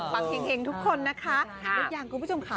ปักเฮ็งทุกคนนะคะ